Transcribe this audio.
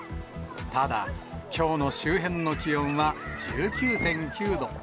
ただ、きょうの周辺の気温は１９．９度。